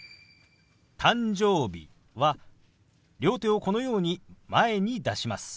「誕生日」は両手をこのように前に出します。